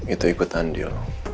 itu ikut andil